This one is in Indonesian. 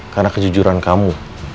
karena kejujuran kamu